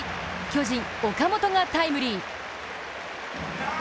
巨人・岡本がタイムリー。